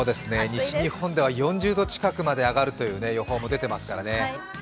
西日本では４０度近くまで上がるという予報も出ていますからね。